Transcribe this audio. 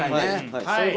はい。